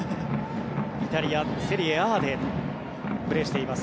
イタリア・セリエＡでプレーしています